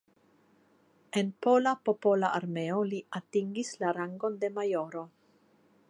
En Pola Popola Armeo li atingis la rangon de majoro.